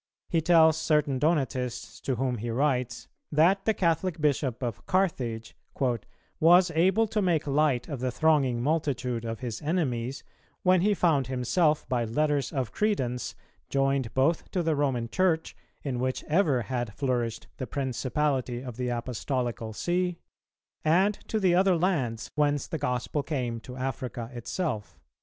He tells certain Donatists to whom he writes, that the Catholic Bishop of Carthage "was able to make light of the thronging multitude of his enemies, when he found himself by letters of credence joined both to the Roman Church, in which ever had flourished the principality of the Apostolical See, and to the other lands whence the gospel came to Africa itself."